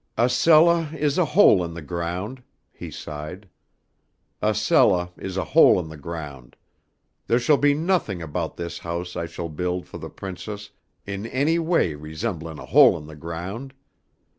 "A cellah is a hole in the ground," he sighed. "A cellah is a hole in the ground. Theah shall be nothing about this house I shall build fo' the Princess in any way resemblin' a hole in the ground.